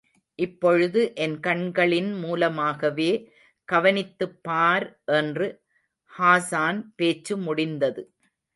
இப்பொழுது என் கண்களின் மூலமாகவே கவனித்துப் பார் என்று ஹாஸான் பேச்சு முடிந்தது.